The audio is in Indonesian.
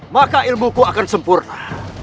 maka ilmuku akan sempurna